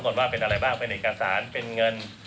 ว่าเป็นอะไรบ้างเป็นเอกสารเป็นเงิน